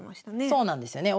そうなんですよね。